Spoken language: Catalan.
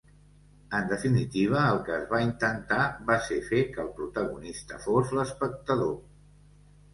En definitiva, el que es va intentar va ser fer que el protagonista fos l'espectador.